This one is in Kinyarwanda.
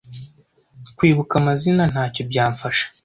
kwibuka amazina ntacyo byamfasha